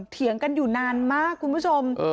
เถียงกันอยู่นานมากคุณผู้ชม